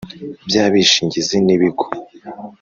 by abishingizi n ibigo